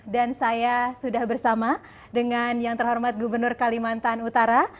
dan saya sudah bersama dengan yang terhormat gubernur kalimantan utara